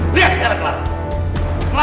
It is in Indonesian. lihat sekarang clara